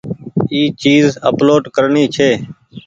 اي چيز اپلوڊ ڪرڻي ڇي۔